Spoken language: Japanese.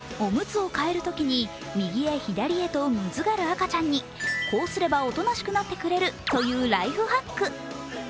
実はこれおむつを替えるときに右へ左へとむずがる赤ちゃんに、こうすればおとなしくなってくれるというライフハック。